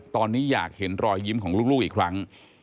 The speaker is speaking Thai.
ตอนนี้อยากเห็นรอยยิ้มของลูกอีกครั้ง